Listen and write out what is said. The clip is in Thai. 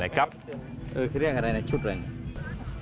เออคือเรียกอะไรนะชุดอะไรอย่างนี้